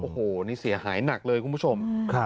โอ้โหนี่เสียหายหนักเลยคุณผู้ชม